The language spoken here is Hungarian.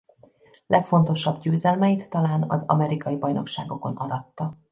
Legfontosabb győzelmeit talán az amerikai bajnokságokon aratta.